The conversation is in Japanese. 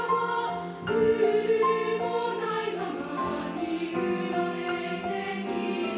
「ルールもないままに生まれてきた」